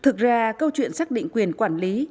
thực ra câu chuyện xác định quyền quản lý